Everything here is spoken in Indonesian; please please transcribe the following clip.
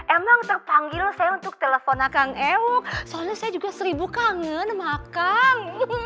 emang terpanggil saya untuk telepon akan ewo soalnya saya juga seribu kangen makan